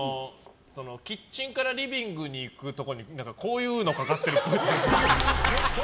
キッチンからリビングに行くところにこういうのかかってるっぽい。